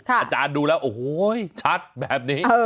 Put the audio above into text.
อาจารย์ดูแล้วโอ้โหชัดแบบนี้